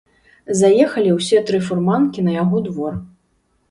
Заехалі ўсе тры фурманкі на яго двор.